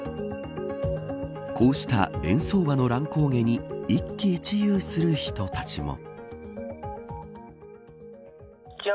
こうした円相場の乱高下に一喜一憂する人たちも。